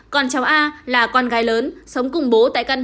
còn cháu a là con gái lớn sống cùng bố tại căn nhà